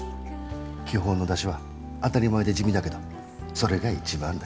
基本の出汁は当たり前で地味だけどそれが一番大事。